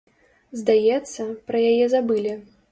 Здаецца, пра яе забылі.